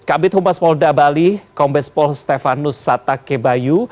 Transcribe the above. kabit humas polda bali kombes pol stefanus sata kebayu